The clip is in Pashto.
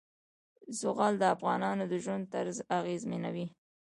زغال د افغانانو د ژوند طرز اغېزمنوي.